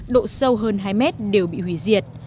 độ sâu hơn hai mét